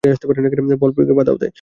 বল প্রয়োগে বাধাও দেয়।